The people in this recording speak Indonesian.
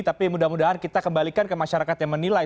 tapi mudah mudahan kita kembalikan ke masyarakat yang menilai